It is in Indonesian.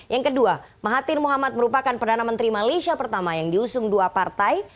yang kedua mahathir muhammad merupakan perdana menteri malaysia pertama yang diusung dua partai